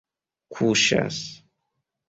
kuŝas